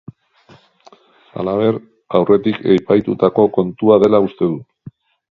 Halaber, aurretik epaitutako kontua dela uste du.